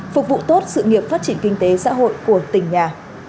phục vụ tốt sự nghiệp phát triển kinh tế xã hội của tỉnh nhà